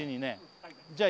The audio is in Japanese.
じゃあ